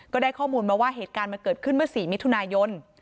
ก็ได้ข้อมูลมาว่าเหตุการณ์มันเกิดขึ้นเมื่อ๔มิถุนายน